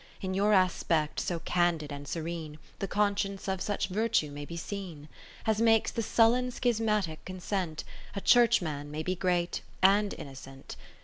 In your aspect so candid and serene, The conscience of such virtue may be seen, As makes the sullen schismatic consent, A Churchman may be great and innocent.